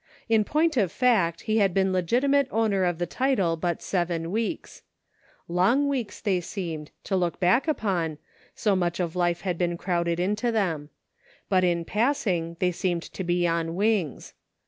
In point of fact, he had been legitimate owner of the title but seven weeks. Long weeks they seemed, to look back upon, so much of life had been crowded into them ; but in passing, they had seemed to be on wings.